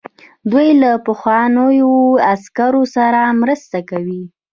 دوی له پخوانیو عسکرو سره مرسته کوي.